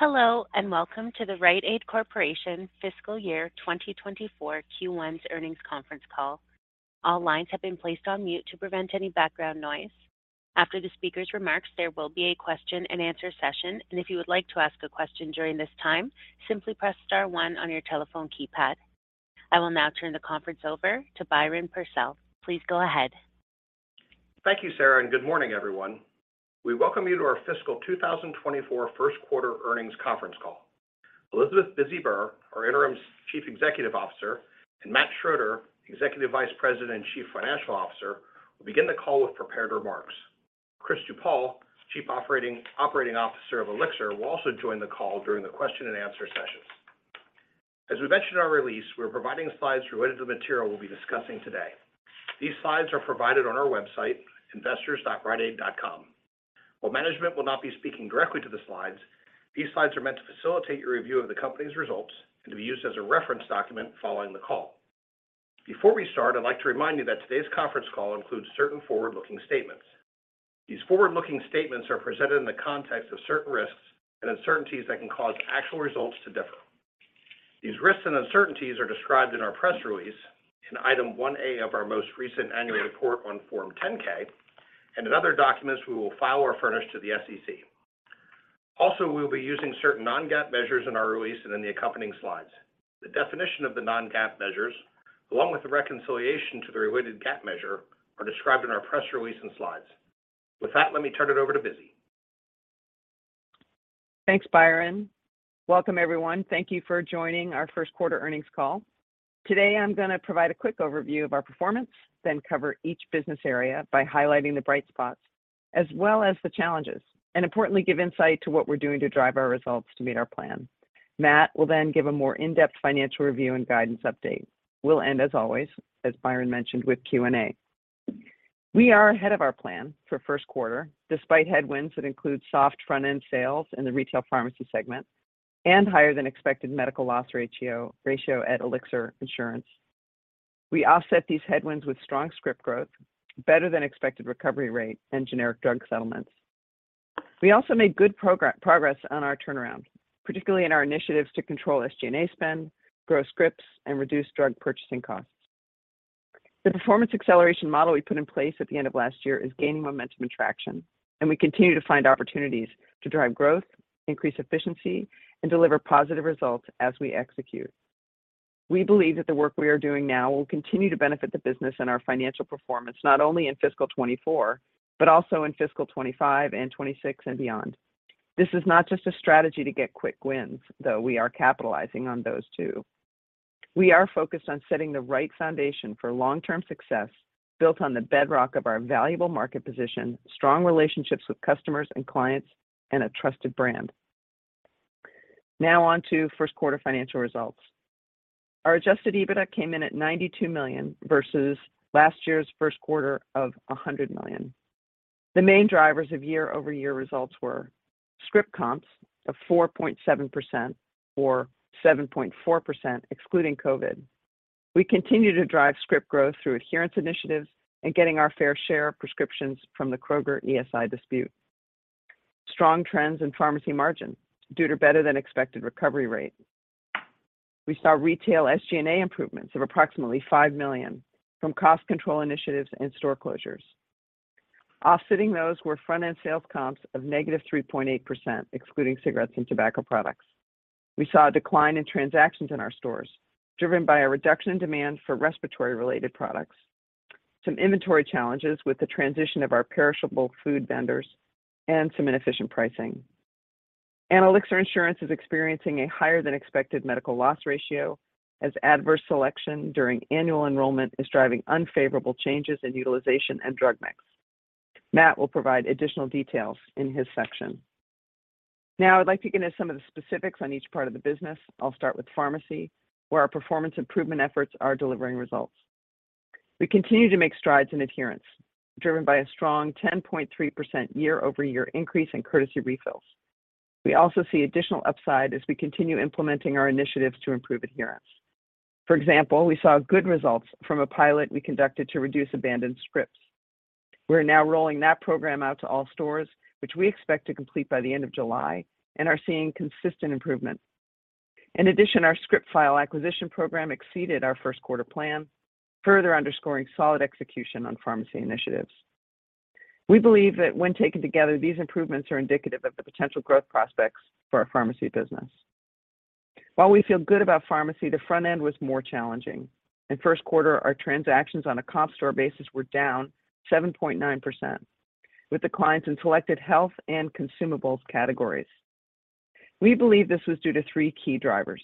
Hello, welcome to the Rite Aid Corporation Fiscal Year 2024 Q1's Earnings Conference Call. All lines have been placed on mute to prevent any background noise. After the speaker's remarks, there will be a question and answer session. If you would like to ask a question during this time, simply press star one on your telephone keypad. I will now turn the conference over to Byron Purcell. Please go ahead. Thank you, Sarah. Good morning, everyone. We welcome you to our fiscal 2024 first quarter earnings conference call. Elizabeth "Bizzy" Burr, our Interim Chief Executive Officer, and Matt Schroeder, Executive Vice President and Chief Financial Officer, will begin the call with prepared remarks. Chris DuPaul, Chief Operating Officer of Elixir, will also join the call during the question and answer sessions. As we mentioned in our release, we're providing slides related to the material we'll be discussing today. These slides are provided on our website, investors.riteaid.com. While management will not be speaking directly to the slides, these slides are meant to facilitate your review of the company's results and to be used as a reference document following the call. Before we start, I'd like to remind you that today's conference call includes certain forward-looking statements. These forward-looking statements are presented in the context of certain risks and uncertainties that can cause actual results to differ. These risks and uncertainties are described in our press release in Item 1A of our most recent annual report on Form 10-K and in other documents we will file or furnish to the SEC. We will be using certain non-GAAP measures in our release and in the accompanying slides. The definition of the non-GAAP measures, along with the reconciliation to the related GAAP measure, are described in our press release and slides. Let me turn it over to Bizzy. Thanks, Byron. Welcome, everyone. Thank you for joining our first quarter earnings call. Today, I'm gonna provide a quick overview of our performance, then cover each business area by highlighting the bright spots as well as the challenges, and importantly, give insight to what we're doing to drive our results to meet our plan. Matt will then give a more in-depth financial review and guidance update. We'll end, as always, as Byron mentioned, with Q&A. We are ahead of our plan for first quarter, despite headwinds that include soft front-end sales in the Retail Pharmacy Segment and higher than expected medical loss ratio at Elixir Insurance. We offset these headwinds with strong script growth, better than expected recovery rate, and generic drug settlements. We also made good progress on our turnaround, particularly in our initiatives to control SG&A spend, grow scripts, and reduce drug purchasing costs. The performance acceleration model we put in place at the end of last year is gaining momentum and traction, and we continue to find opportunities to drive growth, increase efficiency, and deliver positive results as we execute. We believe that the work we are doing now will continue to benefit the business and our financial performance, not only in fiscal 2024, but also in fiscal 2025 and 2026 and beyond. This is not just a strategy to get quick wins, though we are capitalizing on those, too. We are focused on setting the right foundation for long-term success, built on the bedrock of our valuable market position, strong relationships with customers and clients, and a trusted brand. Now on to first quarter financial results. Our adjusted EBITDA came in at $92 million versus last year's first quarter of $100 million. The main drivers of year-over-year results were script comps of 4.7% or 7.4% excluding COVID. We continue to drive script growth through adherence initiatives and getting our fair share of prescriptions from the Kroger ESI dispute. Strong trends in Pharmacy margin due to better than expected recovery rate. We saw retail SG&A improvements of approximately $5 million from cost control initiatives and store closures. Offsetting those were front-end sales comps of -3.8%, excluding cigarettes and tobacco products. We saw a decline in transactions in our stores, driven by a reduction in demand for respiratory-related products, some inventory challenges with the transition of our perishable food vendors, and some inefficient pricing. Elixir Insurance is experiencing a higher than expected medical loss ratio as adverse selection during annual enrollment is driving unfavorable changes in utilization and drug mix. Matt will provide additional details in his section. I'd like to get into some of the specifics on each part of the business. I'll start with Pharmacy, where our performance improvement efforts are delivering results. We continue to make strides in adherence, driven by a strong 10.3% year-over-year increase in courtesy refills. We also see additional upside as we continue implementing our initiatives to improve adherence. We saw good results from a pilot we conducted to reduce abandoned scripts. We're now rolling that program out to all stores, which we expect to complete by the end of July, and are seeing consistent improvement. Our script file acquisition program exceeded our first quarter plan, further underscoring solid execution on Pharmacy initiatives. We believe that when taken together, these improvements are indicative of the potential growth prospects for our Pharmacy business. While we feel good about Pharmacy, the front end was more challenging. In first quarter, our transactions on a comp store basis were down 7.9%, with declines in selected health and consumables categories. We believe this was due to three key drivers.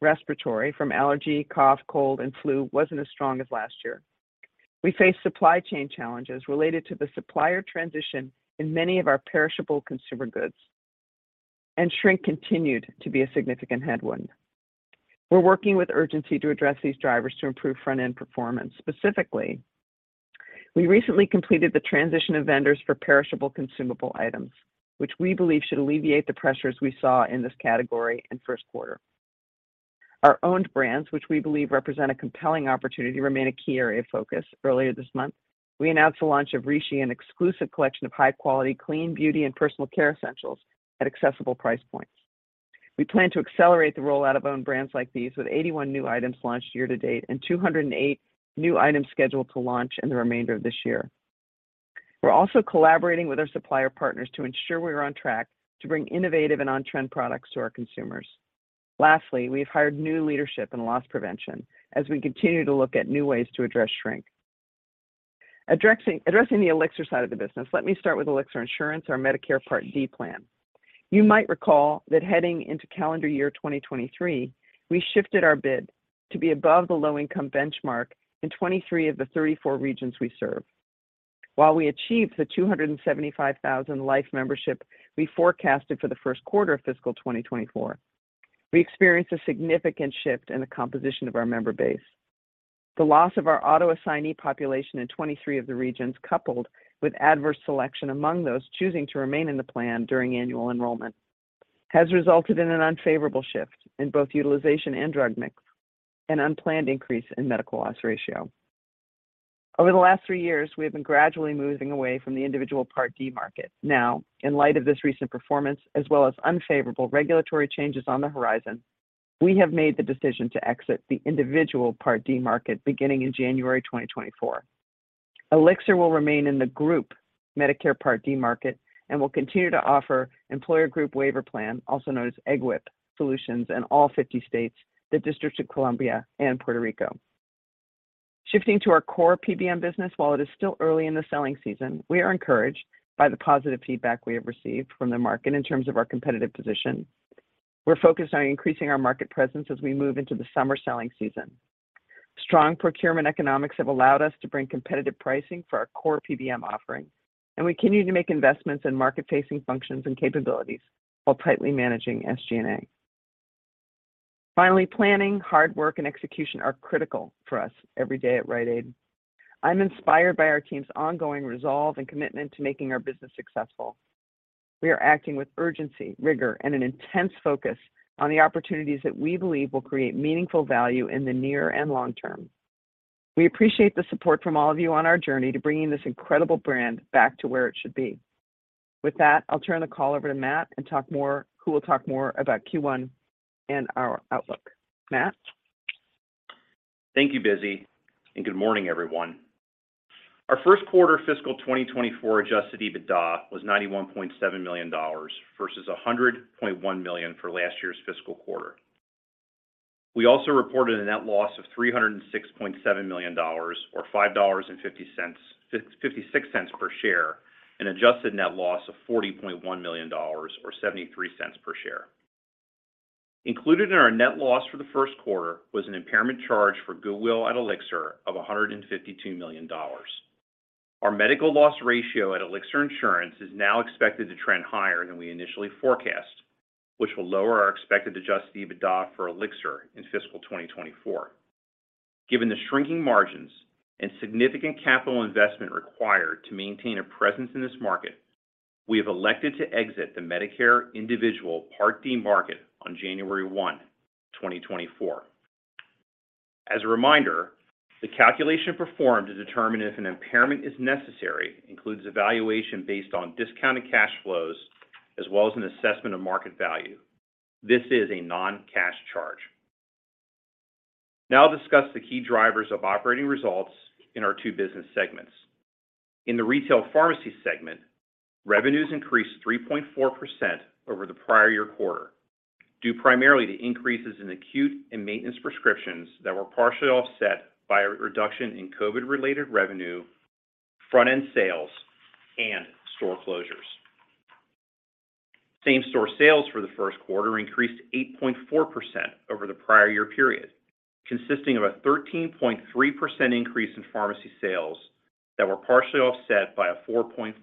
Respiratory from allergy, cough, cold, and flu wasn't as strong as last year. We faced supply chain challenges related to the supplier transition in many of our perishable consumer goods, and shrink continued to be a significant headwind. We're working with urgency to address these drivers to improve front-end performance. Specifically, we recently completed the transition of vendors for perishable consumable items, which we believe should alleviate the pressures we saw in this category in first quarter. Our owned brands, which we believe represent a compelling opportunity, remain a key area of focus. Earlier this month, we announced the launch of RYSHI, an exclusive collection of high-quality, clean beauty, and personal care essentials at accessible price points. We plan to accelerate the rollout of own brands like these, with 81 new items launched year to date and 208 new items scheduled to launch in the remainder of this year. We're also collaborating with our supplier partners to ensure we are on track to bring innovative and on-trend products to our consumers. Lastly, we've hired new leadership in loss prevention as we continue to look at new ways to address shrink. Addressing the Elixir side of the business, let me start with Elixir Insurance, our Medicare Part D plan. You might recall that heading into calendar year 2023, we shifted our bid to be above the low-income benchmark in 23 of the 34 regions we serve. While we achieved the 275,000 life membership we forecasted for the first quarter of fiscal 2024, we experienced a significant shift in the composition of our member base. The loss of our auto assignee population in 23 of the regions, coupled with adverse selection among those choosing to remain in the plan during annual enrollment, has resulted in an unfavorable shift in both utilization and drug mix and unplanned increase in medical loss ratio. Over the last three years, we have gradually moving away from the individual Part D market. In light of this recent performance, as well as unfavorable regulatory changes on the horizon, we have made the decision to exit the individual Part D market beginning in January 2024. Elixir will remain in the group Medicare Part D market and will continue to offer employer group waiver plan, also known as EGWP solutions, in all 50 states, the District of Columbia and Puerto Rico. Shifting to our core PBM business, while it is still early in the selling season, we are encouraged by the positive feedback we have received from the market in terms of our competitive position. We're focused on increasing our market presence as we move into the summer selling season. Strong procurement economics have allowed us to bring competitive pricing for our core PBM offerings, and we continue to make investments in market-facing functions and capabilities while tightly managing SG&A. Finally, planning, hard work, and execution are critical for us every day at Rite Aid. I'm inspired by our team's ongoing resolve and commitment to making our business successful. We are acting with urgency, rigor, and an intense focus on the opportunities that we believe will create meaningful value in the near and long term. We appreciate the support from all of you on our journey to bringing this incredible brand back to where it should be. I'll turn the call over to Matt, who will talk more about Q1 and our outlook. Matt? Thank you, Bizzy. Good morning, everyone. Our first quarter fiscal 2024 adjusted EBITDA was $91.7 million, versus $100.1 million for last year's fiscal quarter. We also reported a net loss of $306.7 million, or $5.56 per share, an adjusted net loss of $40.1 million or $0.73 per share. Included in our net loss for the first quarter was an impairment charge for goodwill at Elixir of $152 million. Our medical loss ratio at Elixir Insurance is now expected to trend higher than we initially forecast, which will lower our expected adjusted EBITDA for Elixir in fiscal 2024. Given the shrinking margins and significant capital investment required to maintain a presence in this market, we have elected to exit the Medicare individual Part D market on January 1, 2024. As a reminder, the calculation performed to determine if an impairment is necessary includes a valuation based on discounted cash flows, as well as an assessment of market value. This is a non-cash charge. Now I'll discuss the key drivers of operating results in our two business segments. In the Retail Pharmacy Segment, revenues increased 3.4% over the prior year quarter, due primarily to increases in acute and maintenance prescriptions that were partially offset by a reduction in COVID-related revenue, front-end sales, and store closures. Same-store sales for the first quarter increased 8.4% over the prior year period, consisting of a 13.3% increase in Pharmacy sales that were partially offset by a 4.4%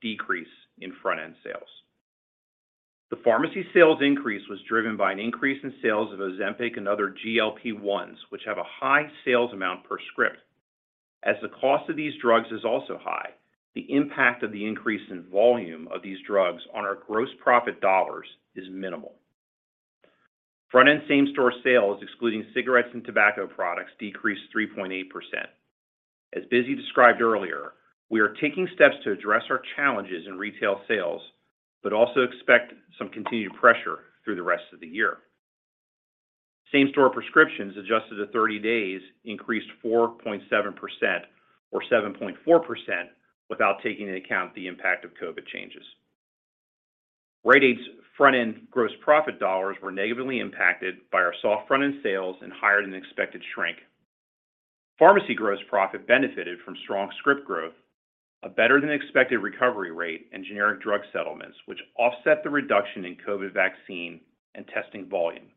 decrease in front-end sales. The Pharmacy sales increase was driven by an increase in sales of Ozempic and other GLP-1s, which have a high sales amount per script. As the cost of these drugs is also high, the impact of the increase in volume of these drugs on our gross profit dollars is minimal. Front-end same-store sales, excluding cigarettes and tobacco products, decreased 3.8%. As Bizzy described earlier, we are taking steps to address our challenges in retail sales but also expect some continued pressure through the rest of the year. Same-store prescriptions, adjusted to 30 days, increased 4.7% or 7.4% without taking into account the impact of COVID changes. Rite Aid's front-end gross profit dollars were negatively impacted by our soft front-end sales and higher-than-expected shrink. Pharmacy gross profit benefited from strong script growth, a better-than-expected recovery rate, and generic drug settlements, which offset the reduction in COVID vaccine and testing volume.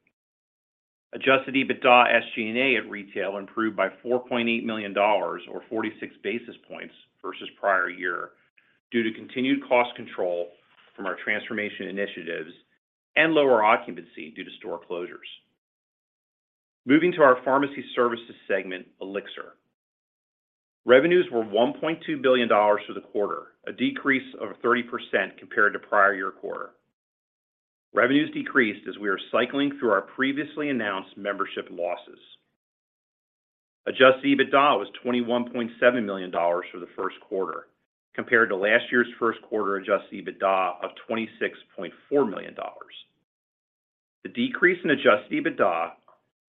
Adjusted EBITDA SG&A at retail improved by $4.8 million or 46 basis points versus prior year, due to continued cost control from our transformation initiatives and lower occupancy due to store closures. Moving to our Pharmacy Services Segment, Elixir, revenues were $1.2 billion for the quarter, a decrease of 30% compared to prior year quarter. Revenues decreased as we are cycling through our previously announced membership losses. Adjusted EBITDA was $21.7 million for the first quarter, compared to last year's first quarter Adjusted EBITDA of $26.4 million. The decrease in Adjusted EBITDA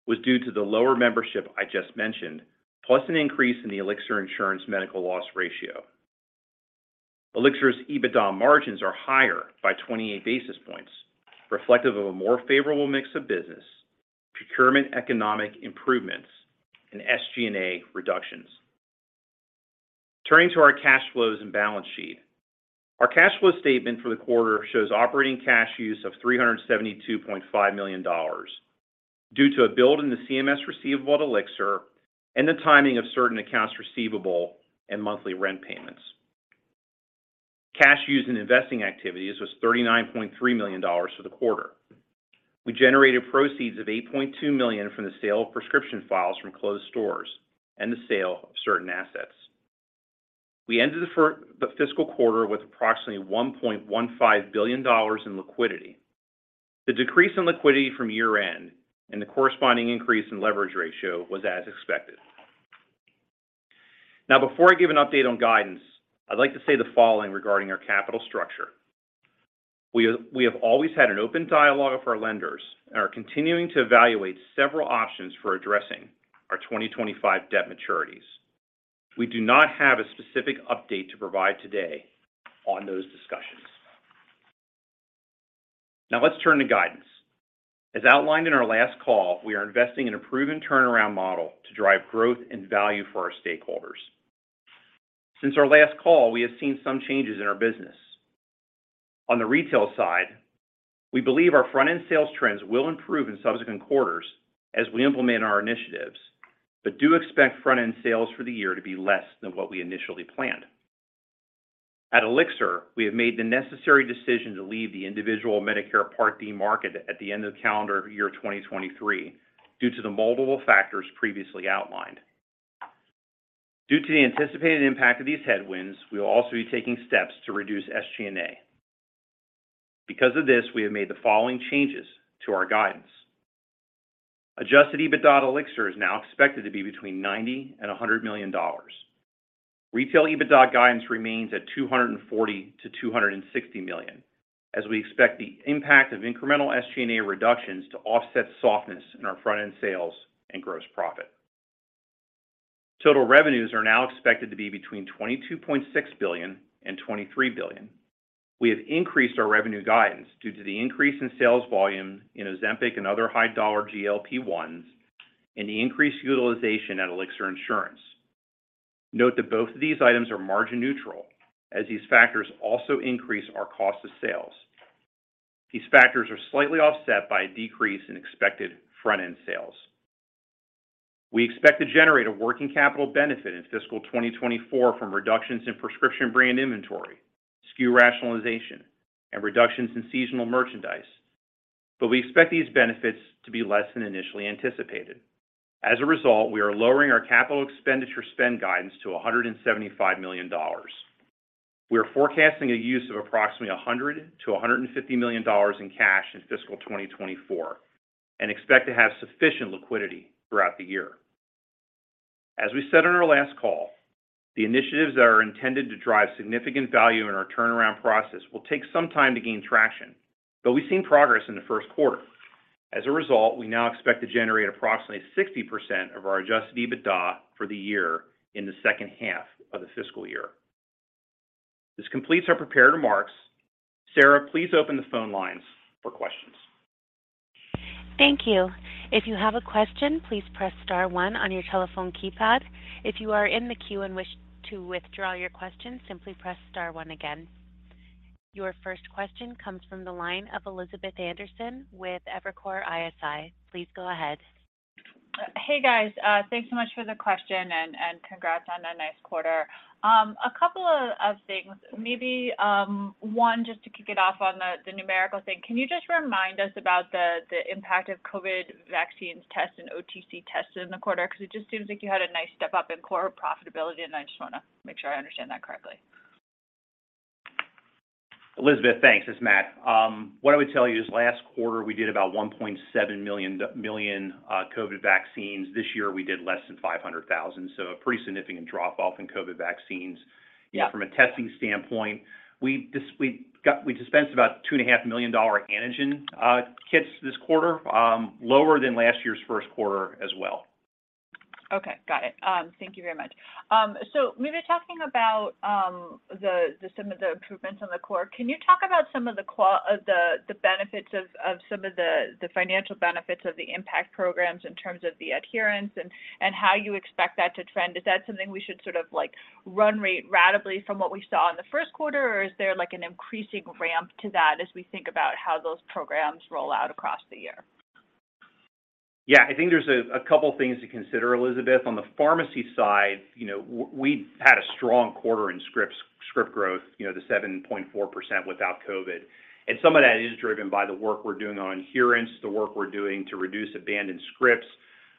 was due to the lower membership I just mentioned, plus an increase in the Elixir Insurance medical loss ratio. Elixir's EBITDA margins are higher by 28 basis points, reflective of a more favorable mix of business, procurement economic improvements, and SG&A reductions. Turning to our cash flows and balance sheet. Our cash flow statement for the quarter shows operating cash use of $372.5 million, due to a build in the CMS receivable at Elixir and the timing of certain accounts receivable and monthly rent payments. Cash used in investing activities was $39.3 million for the quarter. We generated proceeds of $8.2 million from the sale of prescription files from closed stores and the sale of certain assets. We ended the fiscal quarter with approximately $1.15 billion in liquidity. The decrease in liquidity from year-end and the corresponding increase in leverage ratio was as expected. Before I give an update on guidance, I'd like to say the following regarding our capital structure. We have always had an open dialogue with our lenders and are continuing to evaluate several options for addressing our 2025 debt maturities. We do not have a specific update to provide today on those discussions. Let's turn to Guidance. As outlined in our last call, we are investing in a proven turnaround model to drive growth and value for our stakeholders. Since our last call, we have seen some changes in our business. On the retail side, we believe our front-end sales trends will improve in subsequent quarters as we implement our initiatives, but do expect front-end sales for the year to be less than what we initially planned. At Elixir, we have made the necessary decision to leave the individual Medicare Part D market at the end of calendar year 2023, due to the multiple factors previously outlined. Due to the anticipated impact of these headwinds, we will also be taking steps to reduce SG&A. Because of this, we have made the following changes to our guidance. Adjusted EBITDA at Elixir is now expected to be between $90 million and $100 million. Retail EBITDA guidance remains at $240 million-$260 million, as we expect the impact of incremental SG&A reductions to offset softness in our front-end sales and gross profit. Total revenues are now expected to be between $22.6 billion and $23 billion. We have increased our revenue guidance due to the increase in sales volume in Ozempic and other high dollar GLP-1s, and the increased utilization at Elixir Insurance. Note that both of these items are margin neutral, as these factors also increase our cost of sales. These factors are slightly offset by a decrease in expected front-end sales. We expect to generate a working capital benefit in fiscal 2024 from reductions in prescription brand inventory, SKU rationalization, and reductions in seasonal merchandise, but we expect these benefits to be less than initially anticipated. As a result, we are lowering our capital expenditure spend guidance to $175 million. We are forecasting a use of approximately $100 million-$150 million in cash in fiscal 2024 and expect to have sufficient liquidity throughout the year. As we said on our last call, the initiatives that are intended to drive significant value in our turnaround process will take some time to gain traction. We've seen progress in the first quarter. As a result, we now expect to generate approximately 60% of our adjusted EBITDA for the year in the second half of the fiscal year. This completes our prepared remarks. Sarah, please open the phone lines for questions. Thank you. If you have a question, please press star one on your telephone keypad. If you are in the queue and wish to withdraw your question, simply press star one again. Your first question comes from the line of Elizabeth Anderson with Evercore ISI. Please go ahead. Hey, guys. Thanks so much for the question and congrats on a nice quarter. A couple of things, maybe, one, just to kick it off on the numerical thing, can you just remind us about the impact of COVID vaccines test and OTC tests in the quarter? Because it just seems like you had a nice step up in core profitability, and I just wanna make sure I understand that correctly. Elizabeth, thanks. It's Matt. What I would tell you is last quarter, we did about 1.7 million COVID vaccines. This year, we did less than 500,000, so a pretty significant drop-off in COVID vaccines. Yeah. from a testing standpoint, we dispensed about 2.5 million dollar antigen kits this quarter, lower than last year's first quarter as well. Okay, got it. Thank you very much. We've been talking about the, some of the improvements on the core. Can you talk about some of the benefits of some of the financial benefits of the impact programs in terms of the adherence and how you expect that to trend? Is that something we should sort of like run rate ratably from what we saw in the first quarter, or is there like an increasing ramp to that as we think about how those programs roll out across the year? Yeah, I think there's a couple things to consider, Elizabeth. On the Pharmacy side, you know, we had a strong quarter in script growth, you know, the 7.4% without COVID. Some of that is driven by the work we're doing on adherence, the work we're doing to reduce abandoned scripts,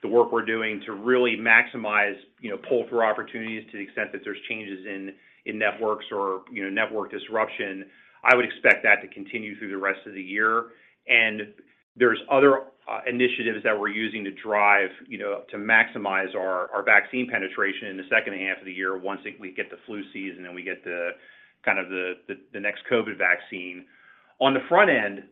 the work we're doing to really maximize, you know, pull-through opportunities to the extent that there's changes in networks or, you know, network disruption. I would expect that to continue through the rest of the year. There's other initiatives that we're using to drive, you know, to maximize our vaccine penetration in the second half of the year, once we get the flu season and we get the kind of the next COVID vaccine. On the front end,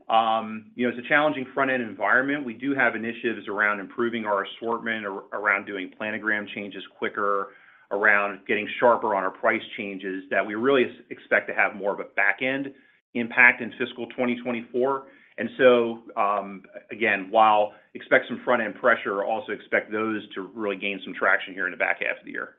you know, it's a challenging front-end environment. We do have initiatives around improving our assortment, around doing planogram changes quicker, around getting sharper on our price changes, that we really expect to have more of a back-end impact in fiscal 2024. Again, while expect some front-end pressure, also expect those to really gain some traction here in the back half of the year.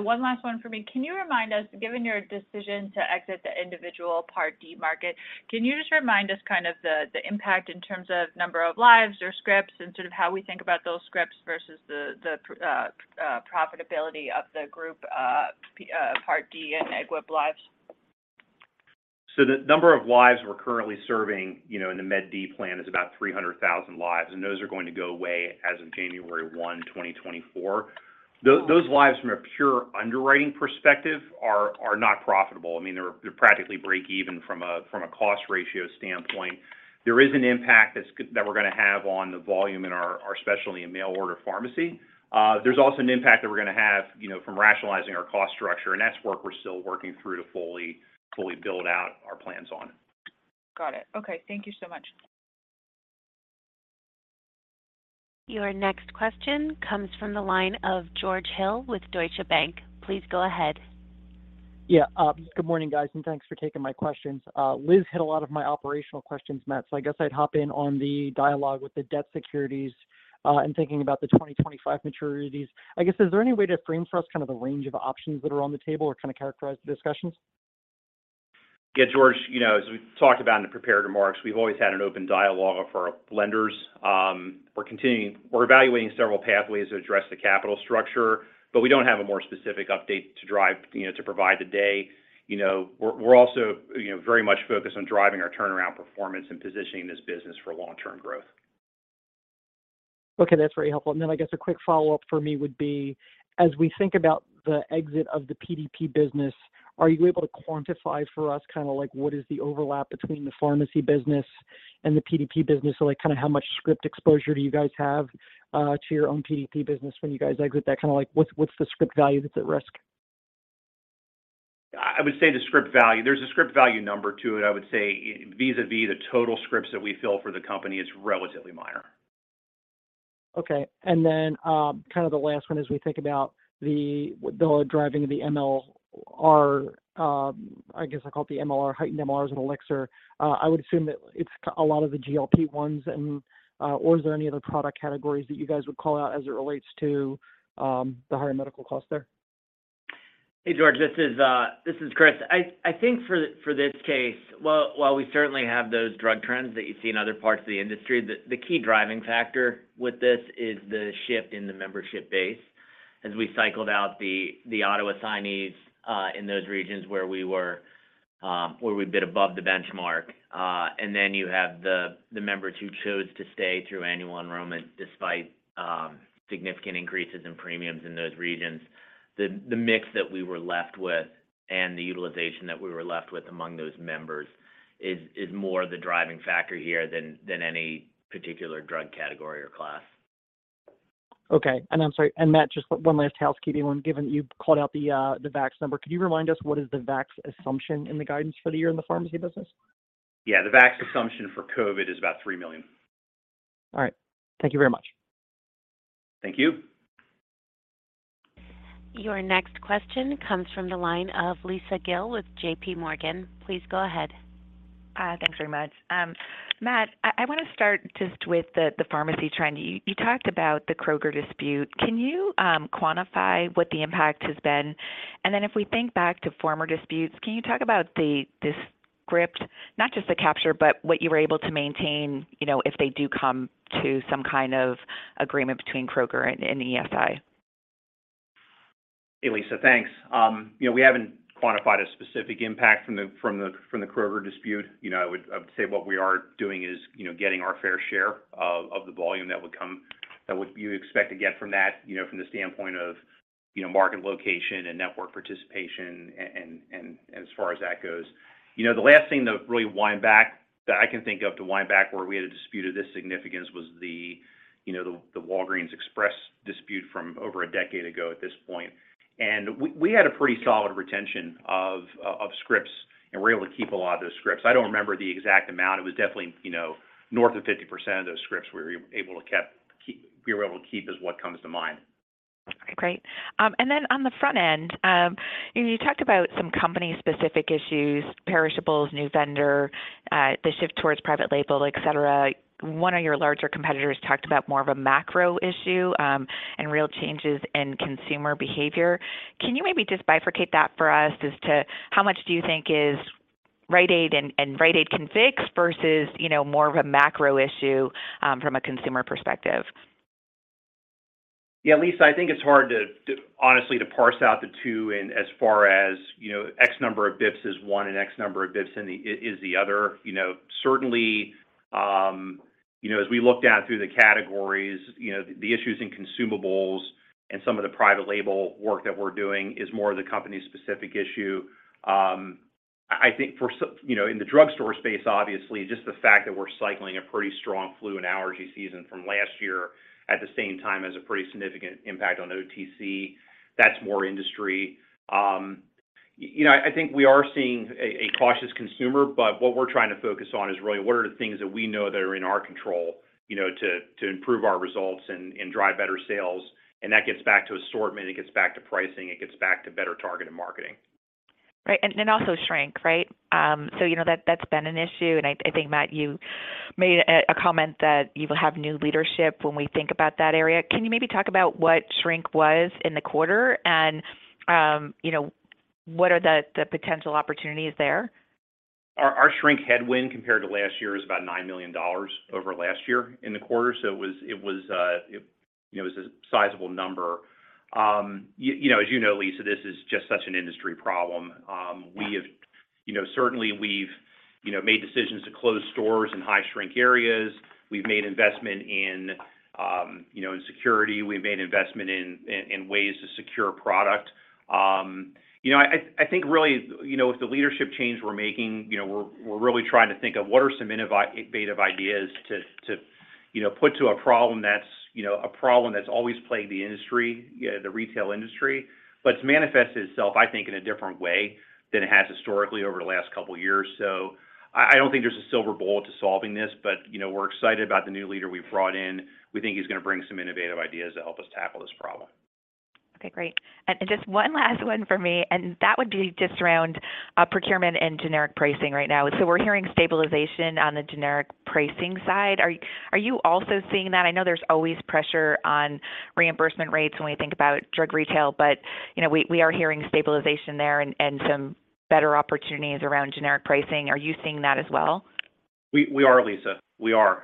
One last one for me. Can you remind us, given your decision to exit the individual Part D market, can you just remind us kind of the impact in terms of number of lives or scripts and sort of how we think about those scripts versus the profitability of the group Part D and EGWP lives? The number of lives we're currently serving, you know, in the Med D plan is about 300,000 lives, and those are going to go away as of January 1, 2024. Those lives, from a pure underwriting perspective, are not profitable. I mean, they're practically break even from a cost ratio standpoint. There is an impact that we're gonna have on the volume in our specialty and mail order Pharmacy. There's also an impact that we're gonna have, you know, from rationalizing our cost structure, and that's work we're still working through to fully build out our plans on. Got it. Okay, thank you so much. Your next question comes from the line of George Hill with Deutsche Bank. Please go ahead. Good morning, guys, and thanks for taking my questions. Liz hit a lot of my operational questions, Matt, so I guess I'd hop in on the dialogue with the debt securities, and thinking about the 2025 maturities. I guess, is there any way to frame for us kind of the range of options that are on the table or kind of characterize the discussions? Yeah, George, you know, as we've talked about in the prepared remarks, we've always had an open dialogue with our lenders. We're evaluating several pathways to address the capital structure, but we don't have a more specific update to drive, you know, to provide today. You know, we're also, you know, very much focused on driving our turnaround performance and positioning this business for long-term growth. Okay, that's very helpful. I guess a quick follow-up for me would be, as we think about the exit of the PDP business, are you able to quantify for us kind of like, what is the overlap between the Pharmacy business and the PDP business? Like, kind of how much script exposure do you guys have to your own PDP business when you guys exit? That kind of like, what's the script value that's at risk? I would say the script value. There's a script value number to it. I would say vis-a-vis the total scripts that we fill for the company is relatively minor. Okay. Kind of the last one, as we think about the driving of the MLR, I guess I call it the MLR, heightened MLRs and Elixir, I would assume that it's a lot of the GLP-1s. Is there any other product categories that you guys would call out as it relates to the higher medical costs there? Hey, George, this is Chris. I think for this case, well, while we certainly have those drug trends that you see in other parts of the industry, the key driving factor with this is the shift in the membership base. As we cycled out the auto assignees in those regions where we were where we've been above the benchmark, and then you have the members who chose to stay through annual enrollment despite significant increases in premiums in those regions. The mix that we were left with and the utilization that we were left with among those members is more the driving factor here than any particular drug category or class. Okay. And I'm sorry. Matt, just one last housekeeping one, given that you've called out the vaccine number, could you remind us what is the vaccine assumption in the guidance for the year in the Pharmacy business? Yeah. The vaccine assumption for COVID is about 3 million. All right. Thank you very much. Thank you. Your next question comes from the line of Lisa Gill with JPMorgan. Please go ahead. Thanks very much. Matt, I wanna start just with the Pharmacy trend. You talked about the Kroger dispute. Can you quantify what the impact has been? If we think back to former disputes, can you talk about the script, not just the capture, but what you were able to maintain, you know, if they do come to some kind of agreement between Kroger and ESI? Hey, Lisa, thanks. You know, we haven't quantified a specific impact from the Kroger dispute. I would say what we are doing is, you know, getting our fair share of the volume that would you expect to get from that, you know, from the standpoint of, you know, market location and network participation, and as far as that goes. You know, the last thing to really wind back, that I can think of, to wind back where we had a dispute of this significance was the Walgreens Express dispute from over a decade ago at this point. We had a pretty solid retention of scripts, and we were able to keep a lot of those scripts. I don't remember the exact amount. It was definitely, you know, north of 50% of those scripts we were able to keep is what comes to mind. Great. On the front end, you talked about some company-specific issues, perishables, new vendor, the shift towards private label, et cetera. One of your larger competitors talked about more of a macro issue, and real changes in consumer behavior. Can you maybe just bifurcate that for us as to how much do you think is Rite Aid and Rite Aid can fix versus, you know, more of a macro issue from a consumer perspective? Yeah, Lisa, I think it's hard to honestly to parse out the two and as far as, you know, X number of basis points is one, and X number of basis points in the, is the other. You know, certainly, you know, as we looked at through the categories, you know, the issues in consumables and some of the private label work that we're doing is more of the company-specific issue. I think for you know, in the drugstore space, obviously, just the fact that we're cycling a pretty strong flu and allergy season from last year, at the same time, has a pretty significant impact on OTC. That's more industry. You know, I think we are seeing a cautious consumer, but what we're trying to focus on is really what are the things that we know that are in our control, you know, to improve our results and drive better sales? That gets back to assortment, it gets back to pricing, it gets back to better targeted marketing. Right, and also shrink, right? You know that's been an issue, and I think, Matt, you made a comment that you will have new leadership when we think about that area. Can you maybe talk about what shrink was in the quarter, and, you know, what are the potential opportunities there? Our shrink headwind compared to last year is about $9 million over last year in the quarter. It was, you know, it was a sizable number. You know, as you know, Lisa, this is just such an industry problem. You know, certainly we've, you know, made decisions to close stores in high shrink areas. We've made investment in, you know, in security. We've made investment in ways to secure product. You know, I think really, you know, with the leadership change we're making, we're really trying to think of what are some innovative ideas to, you know, put to a problem that's, you know, a problem that's always plagued the industry, the retail industry. It's manifested itself, I think, in a different way than it has historically over the last couple of years. I don't think there's a silver bullet to solving this, but, you know, we're excited about the new leader we've brought in. We think he's gonna bring some innovative ideas to help us tackle this problem. Okay, great. Just one last one from me, and that would be just around procurement and generic pricing right now. We're hearing stabilization on the generic pricing side. Are you also seeing that? I know there's always pressure on reimbursement rates when we think about drug retail, but, you know, we are hearing stabilization there and some better opportunities around generic pricing. Are you seeing that as well? We are, Lisa. We are.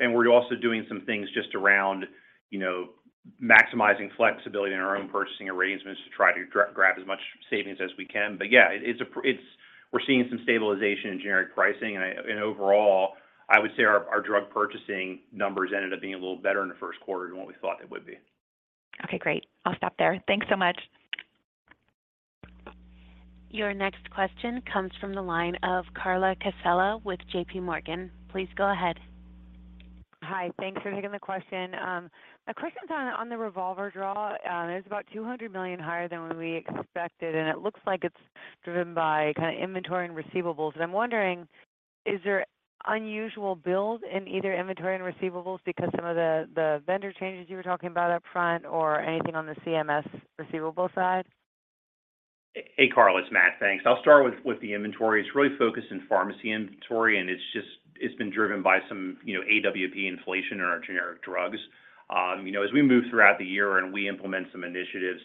We're also doing some things just around, you know, maximizing flexibility in our own purchasing arrangements to try to grab as much savings as we can. Yeah, it's a We're seeing some stabilization in generic pricing. Overall, I would say our drug purchasing numbers ended up being a little better in the first quarter than what we thought they would be. Okay, great. I'll stop there. Thanks so much. Your next question comes from the line of Carla Casella with JPMorgan. Please go ahead. Hi, thanks for taking the question. My question's on the revolver draw. It's about $200 million higher than what we expected, and it looks like it's driven by kind of inventory and receivables. I'm wondering, is there unusual build in either inventory and receivables because some of the vendor changes you were talking about upfront or anything on the CMS receivable side? Hey, Carla, it's Matt. Thanks. I'll start with the inventory. It's really focused in Pharmacy inventory, and it's just, it's been driven by some, you know, AWP inflation in our generic drugs. You know, as we move throughout the year and we implement some initiatives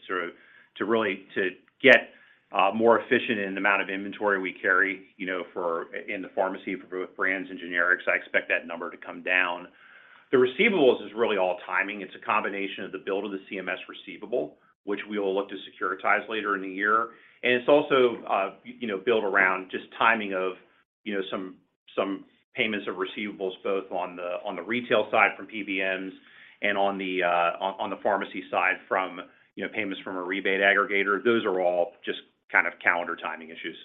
to really get more efficient in the amount of inventory we carry, you know, in the Pharmacy, for both brands and generics, I expect that number to come down. The receivables is really all timing. It's a combination of the build of the CMS receivable, which we will look to securitize later in the year. It's also, you know, built around just timing of, you know, some payments of receivables, both on the retail side from PBMs and on the Pharmacy side from, you know, payments from a rebate aggregator. Those are all just kind of calendar timing issues.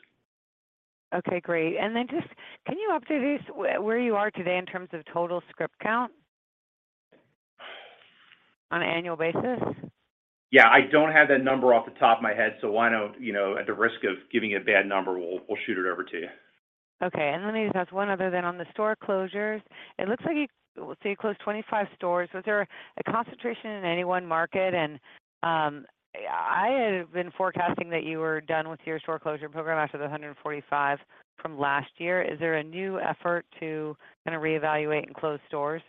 Okay, great. Can you update us where you are today in terms of total script count? On an annual basis? I don't have that number off the top of my head, so why don't, you know, at the risk of giving a bad number, we'll shoot it over to you. Let me just ask one other then. On the store closures, it looks like you closed 25 stores. Was there a concentration in any one market? I had been forecasting that you were done with your store closure program after the 145 from last year. Is there a new effort to kind of reevaluate and close stores?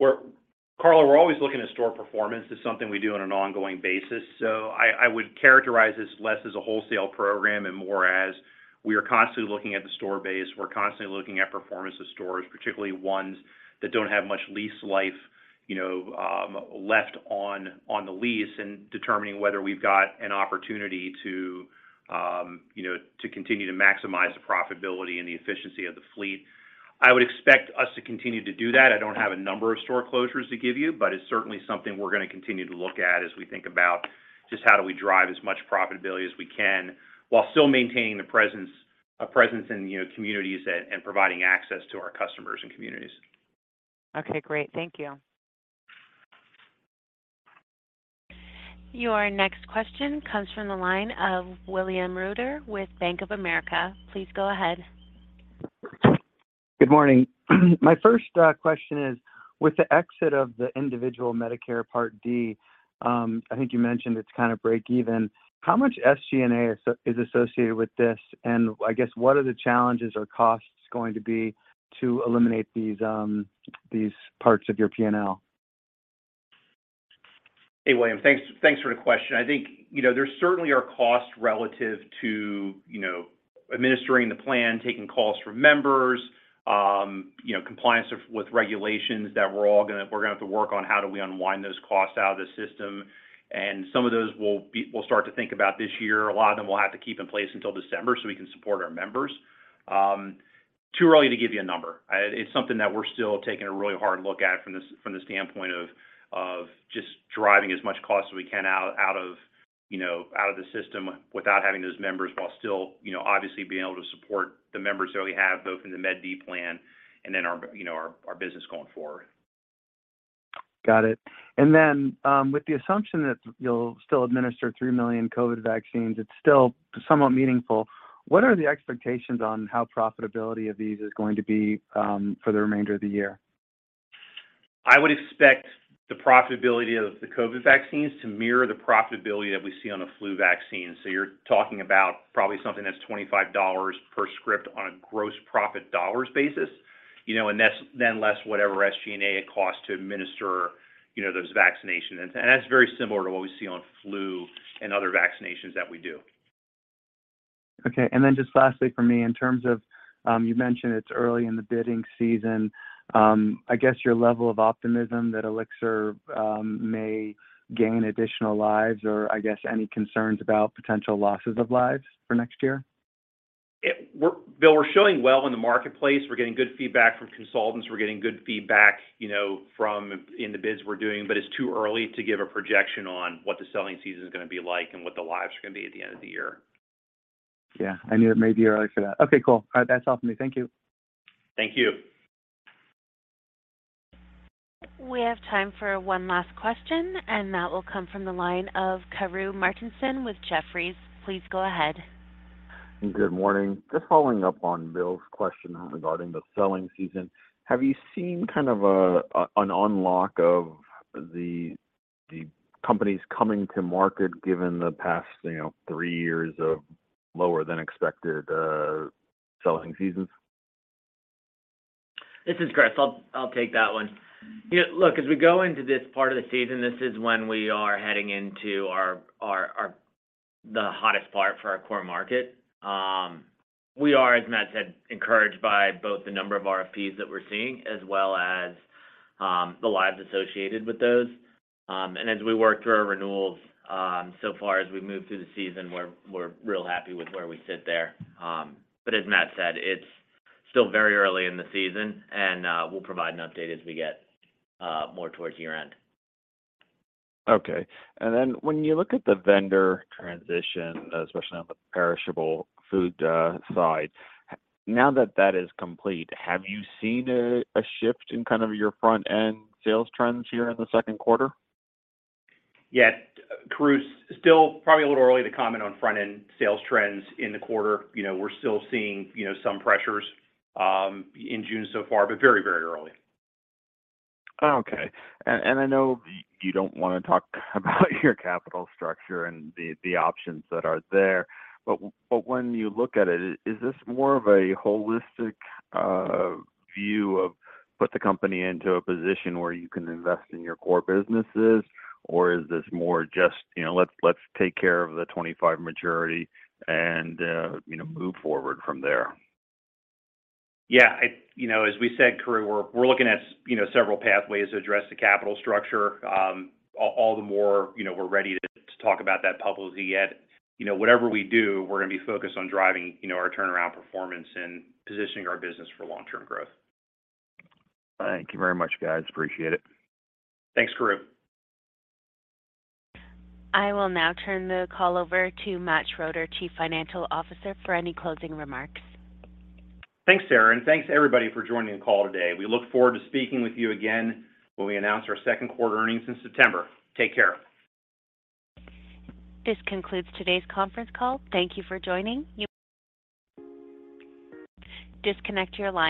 Carla, we're always looking at store performance. It's something we do on an ongoing basis. I would characterize this less as a wholesale program and more as we are constantly looking at the store base. We're constantly looking at performance of stores, particularly ones that don't have much lease life, you know, left on the lease, and determining whether we've got an opportunity to, you know, to continue to maximize the profitability and the efficiency of the fleet. I would expect us to continue to do that. I don't have a number of store closures to give you, but it's certainly something we're gonna continue to look at as we think about just how do we drive as much profitability as we can, while still maintaining the presence, a presence in, you know, communities and providing access to our customers and communities. Okay, great. Thank you. Your next question comes from the line of William Reuter with Bank of America. Please go ahead. Good morning. My first question is, with the exit of the individual Medicare Part D, I think you mentioned it's kind of break even. How much SG&A is associated with this? I guess, what are the challenges or costs going to be to eliminate these parts of your P&L? Hey, William. Thanks, thanks for the question. I think, you know, there certainly are costs relative to, you know, administering the plan, taking calls from members, you know, compliance with regulations that we're all gonna have to work on, how do we unwind those costs out of the system? Some of those we'll start to think about this year. A lot of them we'll have to keep in place until December, so we can support our members. Too early to give you a number. It's something that we're still taking a really hard look at from the standpoint of just driving as much cost as we can out of, you know, out of the system without having those members, while still, you know, obviously being able to support the members that we have, both in the Med D plan and then our, you know, our business going forward. Got it. With the assumption that you'll still administer 3 million COVID vaccines, it's still somewhat meaningful. What are the expectations on how profitability of these is going to be, for the remainder of the year? I would expect the profitability of the COVID vaccines to mirror the profitability that we see on a flu vaccine. You're talking about probably something that's $25 per script on a gross profit dollars basis, you know, and that's then less whatever SG&A it costs to administer, you know, those vaccinations. That's very similar to what we see on flu and other vaccinations that we do. Okay. Just lastly from me, in terms of, you mentioned it's early in the bidding season, I guess your level of optimism that Elixir may gain additional lives, or I guess any concerns about potential losses of lives for next year? Bill, we're showing well in the marketplace. We're getting good feedback from consultants. We're getting good feedback, you know, from in the bids we're doing. It's too early to give a projection on what the selling season is gonna be like and what the lives are gonna be at the end of the year. I knew it may be early for that. Okay, cool. All right. That's all for me. Thank you. Thank you. We have time for one last question, and that will come from the line of Karru Martinson with Jefferies. Please go ahead. Good morning. Just following up on Bill's question regarding the selling season, have you seen kind of an unlock of the companies coming to market, given the past, you know, three years of lower-than-expected selling seasons? This is Chris. I'll take that one. You know, look, as we go into this part of the season, this is when we are heading into our, the hottest part for our core market. We are, as Matt said, encouraged by both the number of RFPs that we're seeing, as well as, the lives associated with those. As we work through our renewals, so far, as we move through the season, we're real happy with where we sit there. As Matt said, it's still very early in the season, and we'll provide an update as we get more towards year-end. Okay. When you look at the vendor transition, especially on the perishable food, side, now that that is complete, have you seen a shift in kind of your front-end sales trends here in the second quarter? Karru, still probably a little early to comment on front-end sales trends in the quarter. You know, we're still seeing, you know, some pressures in June so far, but very, very early. Okay. I know you don't wanna talk about your capital structure and the options that are there, when you look at it, is this more of a holistic view of, put the company into a position where you can invest in your core businesses? Is this more just, you know, let's take care of the 25 maturity and, you know, move forward from there? Yeah, you know, as we said, Karru, we're looking at, you know, several pathways to address the capital structure. All the more, you know, we're ready to talk about that publicly yet. You know, whatever we do, we're gonna be focused on driving, you know, our turnaround performance and positioning our business for long-term growth. Thank you very much, guys. Appreciate it. Thanks, Karru. I will now turn the call over to Matt Schroeder, Chief Financial Officer, for any closing remarks. Thanks, Sarah, and thanks everybody for joining the call today. We look forward to speaking with you again when we announce our second quarter earnings in September. Take care. This concludes today's conference call. Thank you for joining. Disconnect your line.